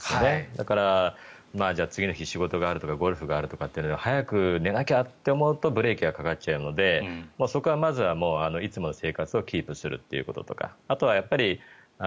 だから次の日仕事があるとかゴルフがあるとか早く寝なきゃと思うとブレーキがかかっちゃうのでそこはいつもの生活をキープすることとか。